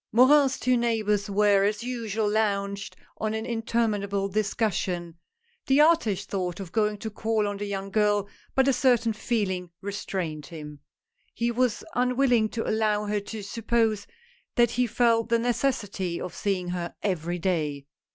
Morin's two neighbors were as usual launched on an interminable discussion. The artist thought of going to call on the young girl, but a certain feeling restrained him. He was unwilling to allow her to suppose that he felt the necessity of seeing her every day.